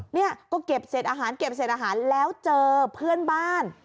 เนี่ยก็เก็บเศษอาหารเก็บเศษอาหารแล้วเจอเพื่อนบ้าน